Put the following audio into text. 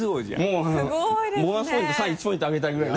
もうボーナスポイントさらに１ポイントあげたいぐらい。